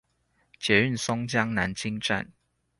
捷運松江南京站